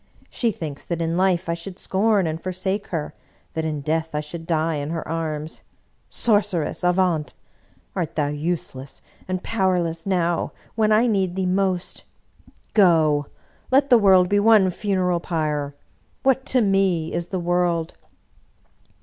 She thinks that in life I should scorn and for sake her, that in death I should die in her armsl Sor ceress, avaunt ! Art thou useless and powerless now when I need thee most? Go! Let the world be one funeral pyre ! What to me is the world